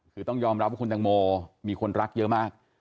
คือต้องยอมรับว่าคุณตังโมมีคนรักเยอะมาก